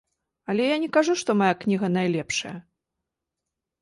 Але я не кажу, што мая кніга найлепшая.